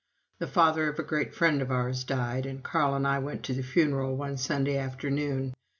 The father of a great friend of ours died, and Carl and I went to the funeral one Sunday afternoon.